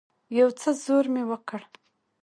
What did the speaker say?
يو څه زور مې وکړ.